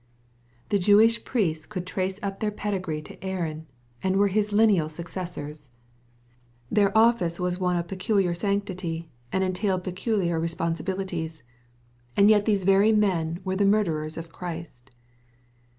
The Jewish priests could trace up their pedigree tQ Aayon^ and were his lineal successors. Their 8T2 EXPOSITORY THOUGHTS. office was one of peculiar sanctity, and entailed peculiar responsibilities. And yet these very men were the mur* derers of Christ